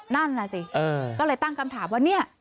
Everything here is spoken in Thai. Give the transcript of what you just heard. นั่นน่ะสิก็เลยตั้งคำถามว่าเนี่ย